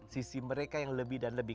sisi mereka yang lebih dan lebih